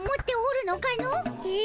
え？